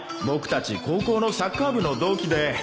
僕たち高校のサッカー部の同期で